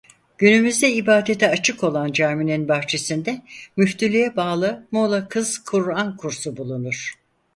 Günümüzde ibadete açık olan caminin bahçesinde müftülüğe bağlı Muğla Kız Kur'an Kursu bulunur.